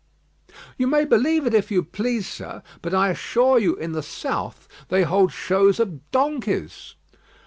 "You may believe it if you please, sir, but I assure you in the south they hold shows of donkeys."